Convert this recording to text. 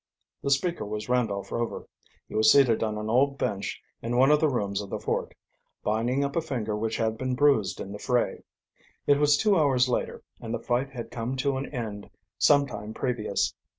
The speaker was Randolph Rover. He was seated on an old bench in one of the rooms of the fort, binding up a finger which had been bruised in the fray. It was two hours later, and the fight had come to an end some time previous.